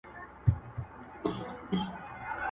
نه مي علم نه هنر په درد لګېږي؛